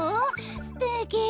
すてき。